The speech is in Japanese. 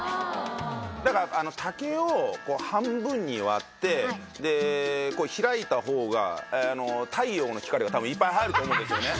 何かあの竹をこう半分に割ってでこう開いた方があの太陽の光がたぶんいっぱい入ると思うんですよね。